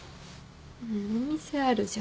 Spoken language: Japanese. お店あるじゃん。